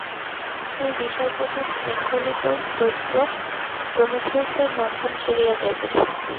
সেই বিশালবপু শৃঙ্খলিত দৈত্য প্রমিথিউসের বন্ধন ছিঁড়িয়া যাইতেছে।